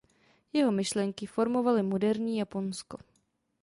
Jeho myšlenky formovaly moderní Japonsko.